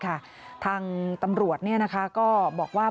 ทางตำรวจก็บอกว่า